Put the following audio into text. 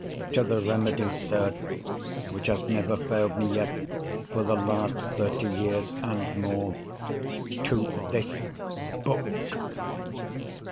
To the remedy, sir, which has never failed me yet for the last thirty years and more—to This Book!"